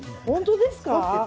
本当ですか？